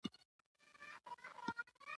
هغې پتنوس پر مېز کېښود، خپله ووته.